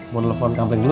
mau telepon kampleng dulu